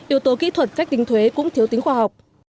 yếu tố kỹ thuật cách tính thuế cũng thiếu tính khoa học